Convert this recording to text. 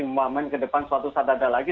membangun ke depan suatu sadada lagi